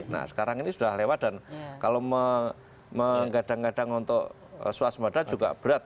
nah sekarang ini sudah lewat dan kalau menggadang gadang untuk swaspada juga berat